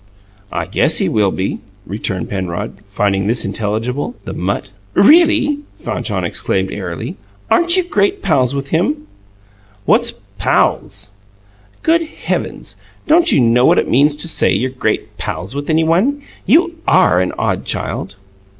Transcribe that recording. "I guess he will," returned Penrod, finding this intelligible. "The mutt!" "Really!" Fanchon exclaimed airily. "Aren't you great pals with him?" "What's 'pals'?" "Good heavens! Don't you know what it means to say you're 'great pals' with any one? You ARE an odd child!"